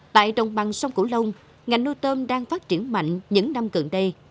tại đồng bằng sông củ lông ngành nuôi tôm đang phát triển mạnh những năm gần đây